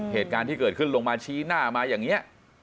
เหตุการณ์ที่เกิดขึ้นลงมาชี้หน้ามาอย่างนี้